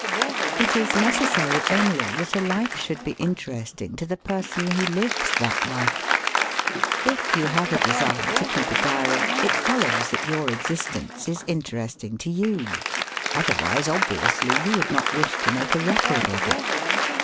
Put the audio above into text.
It is necessary only that a life should be interesting to the person who lives that life. It you have a desire to keep a diary, it follows that your existence is interesting to you. Otherwise obviously you would not wish to make a record of it.